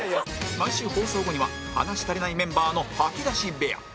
毎週放送後には話し足りないメンバーの「吐き出し部屋」